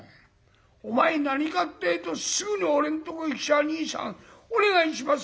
お前何かってぇとすぐに俺んとこへ来ちゃ『兄さんお願いします。